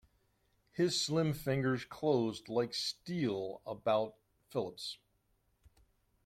His slim fingers closed like steel about Philip's.